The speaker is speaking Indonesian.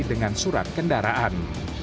dengan surat kendaraan